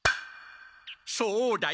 そうだ。